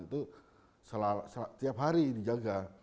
itu setiap hari dijaga